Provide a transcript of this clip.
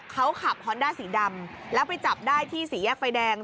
เขาขับฮอนด้าสีดำแล้วไปจับได้ที่สี่แยกไฟแดง